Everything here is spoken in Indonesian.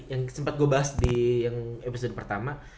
yang sempat gue bahas di episode pertama